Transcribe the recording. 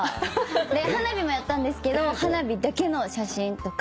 で花火もやったんですけど花火だけの写真とか。